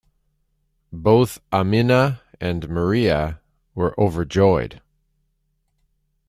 Both Aminah and Maria were overjoyed.